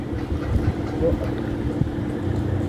Всё отлично